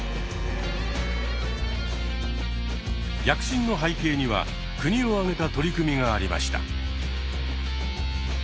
躍進の背景には国を挙げた取り組みがありました。